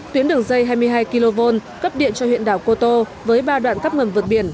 tuyến đường dây hai mươi hai kv cấp điện cho huyện đảo cô tô với ba đoạn cắp ngầm vượt biển